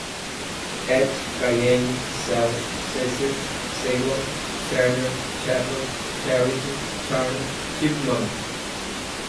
cat, cayenne, cel, cecil, ceylon, cerner, chapel, charity, charm, chipmunk